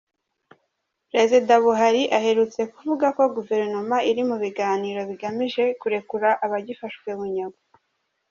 Perezida Buhari aherutse kuvuga ko Guverinoma iri mu biganiro bigamije kurekura abagifashwe bunyago.